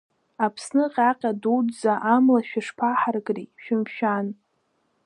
Аԥсны ҟьаҟьа дуӡӡа амла шәышԥаҳаркри, шәымшәан.